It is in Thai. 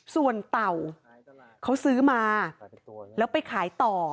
ส่วนเต่าเขาซื้อมาแล้วไปขายต่อ